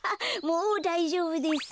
もうだいじょうぶです。